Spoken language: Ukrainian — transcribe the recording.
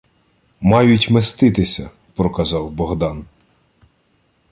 — Мають меститися, — проказав Богдан.